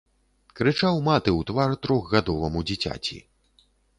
Крычаў маты ў твар трохгадоваму дзіцяці.